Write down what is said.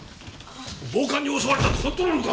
暴漢に襲われたって本当なのか？